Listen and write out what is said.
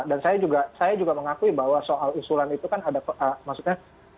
dan saya juga mengakui bahwa soal insulan itu kan ada maksudnya